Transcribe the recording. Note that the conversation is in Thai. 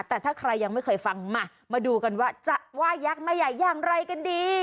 แต่ถ้าใครยังไม่เคยฟังมามาดูกันว่าจะไหว้ยักษ์แม่ใหญ่อย่างไรกันดี